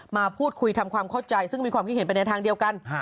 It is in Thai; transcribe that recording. มาพูดคุยทำความเข้าใจซึ่งมีความคิดเห็นไปในทางเดียวกัน